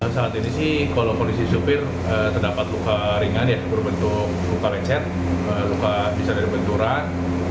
saat ini sih kalau kondisi sopir terdapat luka ringan ya berbentuk luka lecet luka bisa dari benturan